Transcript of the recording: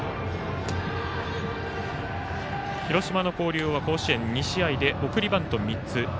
広島の広陵高校は甲子園２試合で送りバント３つ。